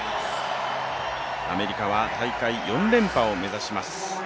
アメリカは大会４連覇を目指します。